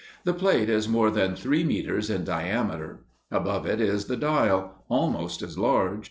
The plate is more than three meters in diameter. Above it is the dial, almost as large.